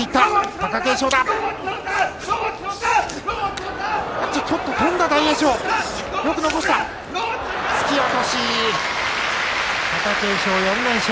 貴景勝４連勝。